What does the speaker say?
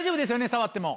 触っても。